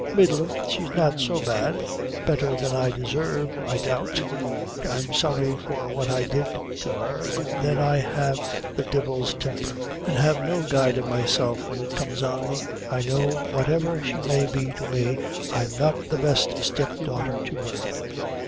"Middlin' she's not so bad better than I deserve, I doubt; I'm sorry for what I did to her; but then I have the divil's temper, an' have no guide o' myself when it comes on me. I know whatever she may be to me, I'm not the best step daughter to her."